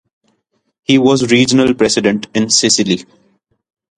He was regional president in Sicily.